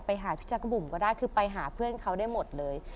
ไปหาพี่จักรบุ๋มก็ได้คือไปหาเพื่อนเขาได้หมดเลย